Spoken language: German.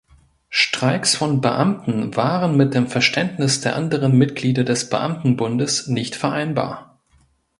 Streiks von Beamten waren mit dem Verständnis der anderen Mitglieder des Beamtenbundes nicht vereinbar.